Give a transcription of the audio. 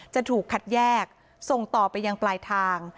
จะถูกคัดแยกส่งต่อไปยังปลายทาง